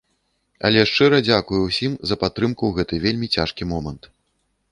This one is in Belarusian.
Але шчыра дзякую ўсім за падтрымку ў гэты вельмі цяжкі момант.